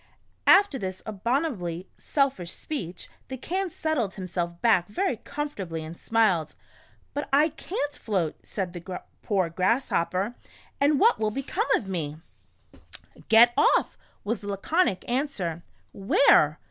After this abominably selfish speech, the Can settled himself back very comfortably, and smiled. " But /can't float," said the poor Grasshopper, " and what will become of me ?" A Grasshopper's Trip to the City. 1 3 i Get off," was the laconic answer. Where?"